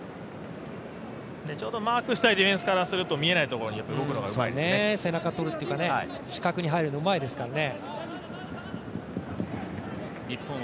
ちょうどマークしたいディフェンスからすると背中通るというか死角に入るのうまいですからね。